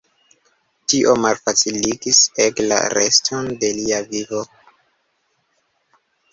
Tio malfaciligis ege la reston de lia vivo.